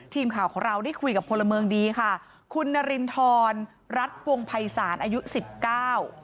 ทีมข่าวของเราได้คุยกับพลเมืองดีค่ะคุณนารินทรรัฐวงภัยศาลอายุสิบเก้า